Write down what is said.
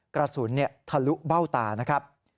กระสุนทะลุเบ้าตา